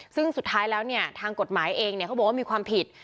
ซึ่งสุดท้ายแล้วเนี่ยทางกฎหมายเองเขาบอกว่ามีความผิด